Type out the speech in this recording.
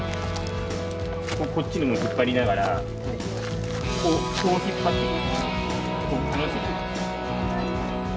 こっちにも引っ張りながらこうこう引っ張っていく。